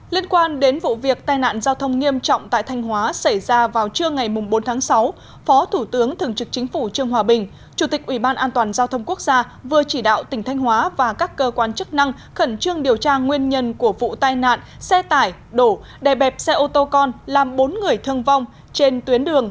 liên quan đến vụ việc tai nạn giao thông nghiêm trọng tại thanh hóa xảy ra vào trưa ngày bốn tháng sáu phó thủ tướng thường trực chính phủ trương hòa bình chủ tịch ủy ban an toàn giao thông quốc gia vừa chỉ đạo tỉnh thanh hóa và các cơ quan chức năng khẩn trương điều tra nguyên nhân của vụ tai nạn xe tải đổ đè bẹp xe ô tô con làm bốn người thương vong trên tuyến đường